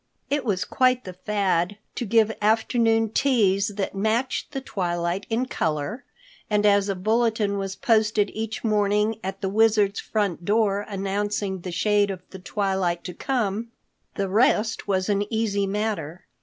It was quite the fad to give afternoon teas that matched the twilight in color, and as a bulletin was posted each morning at the Wizard's front door announcing the shade of the twilight to come, the rest was an easy matter.